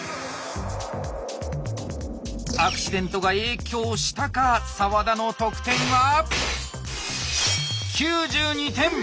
アクシデントが影響したか澤田の得点は９２点。